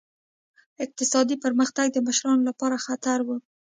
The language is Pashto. اقتصادي پرمختګ د مشرانو لپاره خطر و.